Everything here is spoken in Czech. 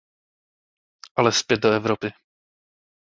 Ale zpět do Evropy.